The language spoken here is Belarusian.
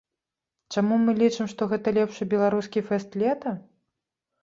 Чаму мы лічым, што гэта лепшы беларускі фэст лета?